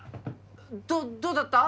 どどうだった？